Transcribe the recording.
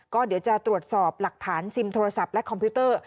ก็เดี๋ยวจะตรวจสอบหลักฐานซิมโทรศัพท์และคอมพิวเตอร์